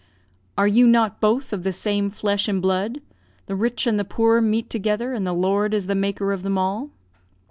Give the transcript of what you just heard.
"Are you not both of the same flesh and blood? The rich and the poor meet together, and the Lord is the maker of them all."